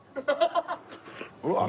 うわっ！